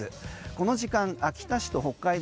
この時間、秋田市と北海道